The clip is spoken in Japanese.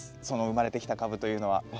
その生まれてきた株というのは。